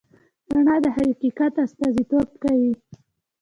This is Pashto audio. رڼا د حقیقت استازیتوب کوي.